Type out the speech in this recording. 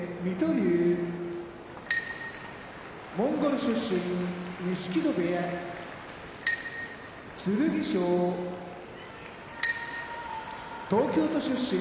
龍モンゴル出身錦戸部屋剣翔東京都出身